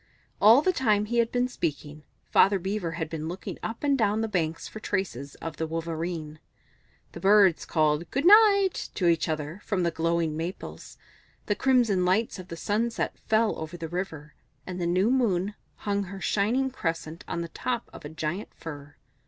All the time he had been speaking, Father Beaver had been looking up and down the banks for traces of the Wolverene. The Birds called "Good night" to each other from the glowing maples; the crimson lights of the sunset fell over the river, and the new moon hung her shining crescent on the top of a giant fir.